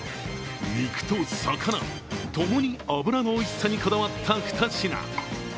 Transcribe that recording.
肉と魚、共に脂のおいしさにこだわった２品。